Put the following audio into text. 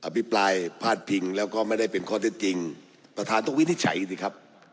พิปรายพาดพิงแล้วก็ไม่ได้เป็นข้อเท็จจริงประธานต้องวินิจฉัยสิครับ